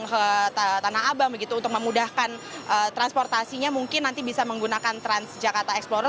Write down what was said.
jangan lupa jika anda datang ke tanah abang begitu untuk memudahkan transportasinya mungkin nanti bisa menggunakan transjakarta explorer